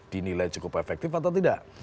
dinilai cukup efektif atau tidak